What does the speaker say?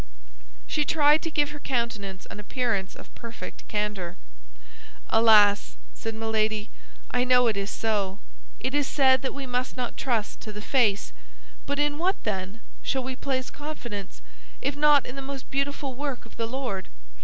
She tried to give her countenance an appearance of perfect candor. "Alas," said Milady, "I know it is so. It is said that we must not trust to the face; but in what, then, shall we place confidence, if not in the most beautiful work of the Lord?